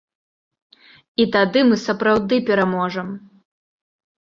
І тады мы сапраўды пераможам.